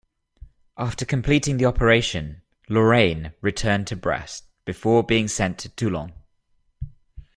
After completing the operation, "Lorraine" returned to Brest before being sent to Toulon.